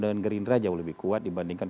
dengan gerindra jauh lebih kuat dibandingkan